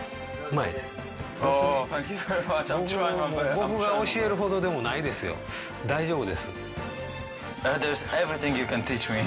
僕が教えるほどでもないですよ。大丈夫です。